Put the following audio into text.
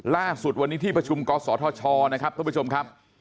ล่าสุดวันนี้ที่ประชุมกศธชนะครับท่านผู้ชมครับ